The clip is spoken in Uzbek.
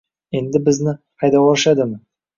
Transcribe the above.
endi bizni haydavorishadimi?